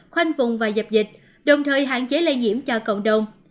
khoanh vùng và dập dịch đồng thời hạn chế lây nhiễm cho cộng đồng